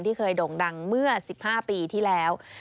เคยโด่งดังเมื่อ๑๕ปีที่แล้ว